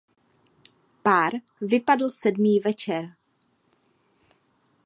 Pár vypadl sedmý večer.